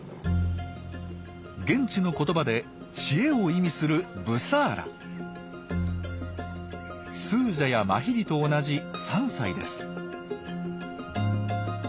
現地の言葉で知恵を意味するスージャやマヒリと同じ３歳です。